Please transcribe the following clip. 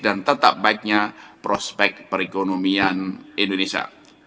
dan tetap baiknya prospek perekonomian indonesia